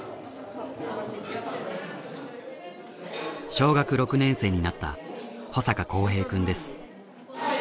小学６年生になった保坂幸平くんです。